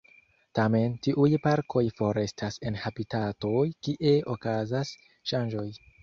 Tamen, tiuj parkoj forestas en habitatoj kie okazas ŝanĝoj.